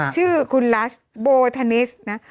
ชื่อคุณลัสโบธานิสนะ